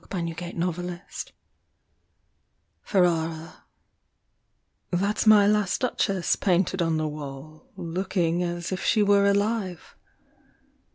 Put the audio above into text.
MY LAST DUCHESS Ferrara That's my last Duchess painted on the wall, Looking as if she were alive.